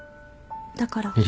だから。